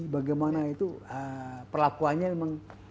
bagaimana itu perlakuannya memang